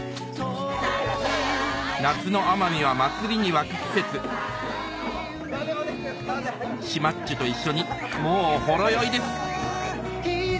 夏の奄美は祭りに沸く季節シマッチュと一緒にもうほろ酔いです